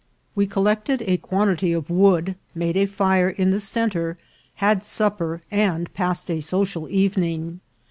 We collected a quantity of wood, made a fire in the centre, had supper, and passed a social evening.